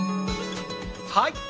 はい！